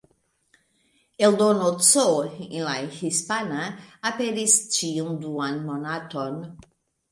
Eldono C, en la hispana, aperis ĉiun duan monaton.